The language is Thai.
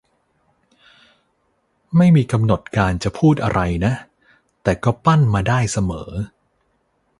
ไม่มีกำหนดการจะพูดอะไรนะ แต่ก็ปั้นมาได้เสมอ